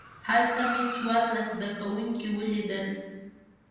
هلته مې څوارلس زده کوونکي ولیدل.